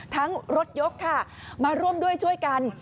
ทั้งรถยกมาร่วมด้วยช่วยกัน